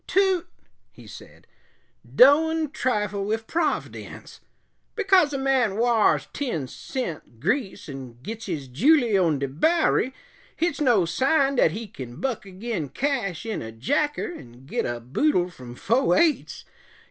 "Toot," he said, "doan trifle wif Prov'dence. Because a man wars ten cent grease 'n' gits his july on de Bowery, hit's no sign dat he kin buck agin cash in a jacker 'n' git a boodle from fo' eights.